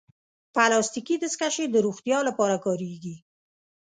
پلاستيکي دستکشې د روغتیا لپاره کارېږي.